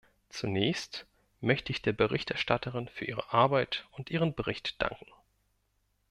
Zunächst möchte ich der Berichterstatterin für ihre Arbeit und ihren Bericht danken.